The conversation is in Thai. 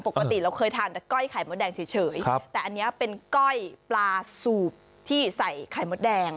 ปกติเราเคยทานแต่ก้อยไข่มดแดงเฉยแต่อันนี้เป็นก้อยปลาสูบที่ใส่ไข่มดแดง